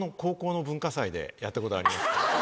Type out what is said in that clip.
やったことあります。